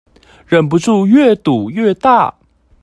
忍不住越賭越大